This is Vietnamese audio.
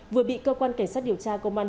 vừa bị cơ quan cảnh sát điều tra công an